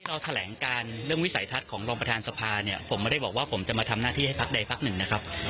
โอเคนะยังอยู่นะขอบคุณนะครับ